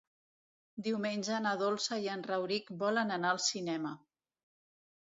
Diumenge na Dolça i en Rauric volen anar al cinema.